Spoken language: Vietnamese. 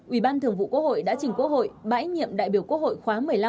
ủy ban thường vụ quốc hội đã trình quốc hội bãi nhiệm đại biểu quốc hội khóa một mươi năm